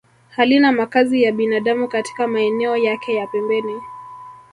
Halina makazi ya binadamu katika maeneo yake ya pembeni